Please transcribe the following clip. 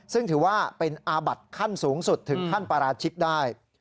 ซึ่งถือว่าเป็นอาบัติขั้นสูงสุดถึงขั้นปราชิกได้